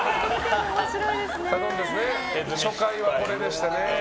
初回はこれでしたね。